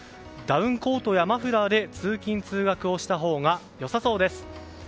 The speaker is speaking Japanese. ダウンコートやマフラーで通勤・通学をしたほうが良さそうです。